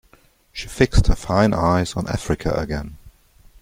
She fixed her fine eyes on Africa again.